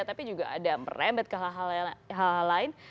tapi juga ada merembet ke hal hal lain